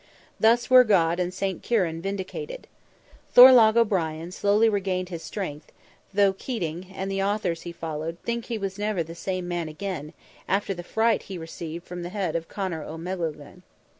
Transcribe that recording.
Thus were God and Saint Kieran vindicated. Thorlogh O'Brien slowly regained his strength, though Keating, and the authors he followed, think he was never the same man again, after the fright he received from the head of Conor O'Melaghlin.